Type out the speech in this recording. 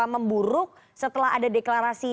memburuk setelah ada deklarasi